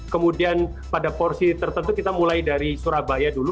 kemudian pada porsi tertentu kita mulai dari surabaya dulu